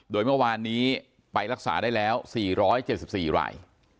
โดยเมื่อวานนี้ไปรักษาได้แล้ว๔๗๔ราย